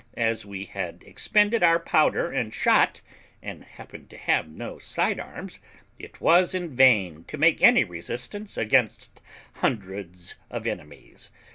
As we had expended our powder and shot, and happened to have no side arms, it was in vain to make any resistance against hundreds of enemies.